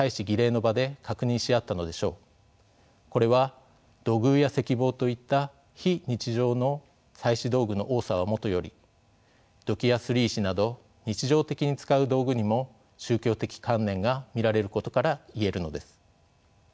これは土偶や石棒といった非日常の祭祀道具の多さはもとより土器やすり石など日常的に使う道具にも宗教的観念が見られることから言えるのです。